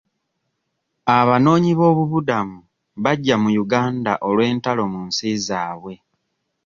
Abanoonyiboobubudamu bajja mu Uganda olw'entalo mu nsi zaabwe.